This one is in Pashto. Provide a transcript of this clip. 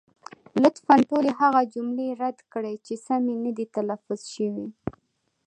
لطفا ټولې هغه جملې رد کړئ، چې سمې نه دي تلفظ شوې.